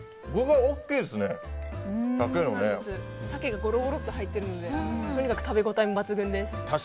鮭がゴロゴロっと入ってるのでとにかく食べ応えも抜群です。